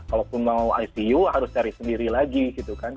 kalaupun mau icu harus cari sendiri lagi gitu kan